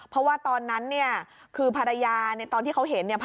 เพราะว่าตอนนั้นเนี่ยคือภรรยาตอนที่เขาเห็นเนี่ย